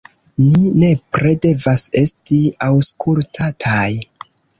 Ni nepre devas esti aŭskultataj.